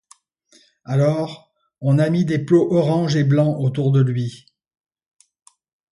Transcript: Alors on a mis des plots orange et blanc autour de lui.